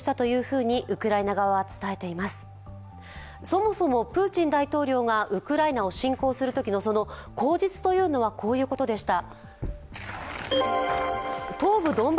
そもそもプーチン大統領がウクライナを侵攻するときの口実というのはこういうことでした。